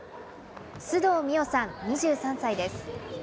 須藤美青さん２３歳です。